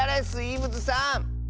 スイームズさん。